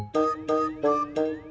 saya kurang berhasil